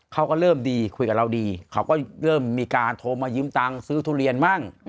เขาก็เริ่มดีคุยกับเราดีเขาก็เริ่มมีการโทรมายืมตังค์ซื้อทุเรียนมั่ง